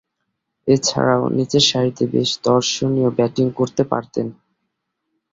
এছাড়াও, নিচেরসারিতে বেশ দর্শনীয় ব্যাটিং করতে পারতেন।